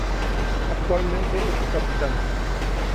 Actualmente es su capitán.